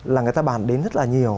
là người ta bàn đến rất là nhiều